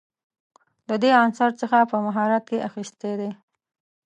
له دې عنصر څخه په مهارت کار اخیستی دی.